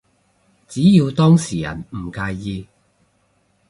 只要當事人唔介意